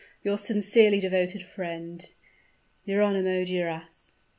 "Your sincerely devoted friend, "JERONYMO DURAS."